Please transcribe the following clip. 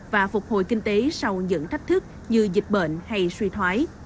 và phục hồi kinh tế sau những thách thức như dịch bệnh hay suy thoái